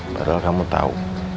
baru kamu tau